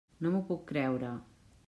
No ho puc creure.